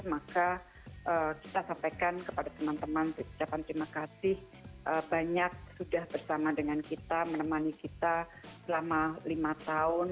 maka kita sampaikan kepada teman teman ucapan terima kasih banyak sudah bersama dengan kita menemani kita selama lima tahun